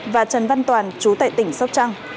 và trần văn toàn chú tại tỉnh sóc trăng